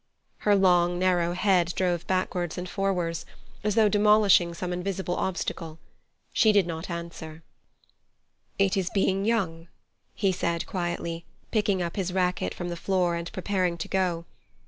Her long, narrow head drove backwards and forwards, as though demolishing some invisible obstacle. She did not answer. "It is being young," he said quietly, picking up his racquet from the floor and preparing to go.